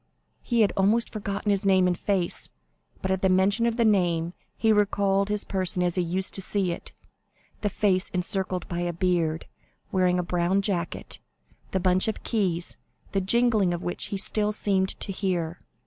He had almost forgotten his name and face, but at the mention of the name he recalled his person as he used to see it, the face encircled by a beard, wearing the brown jacket, the bunch of keys, the jingling of which he still seemed to hear.